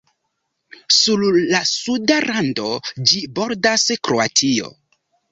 Sur la suda rando, ĝi bordas Kroatio.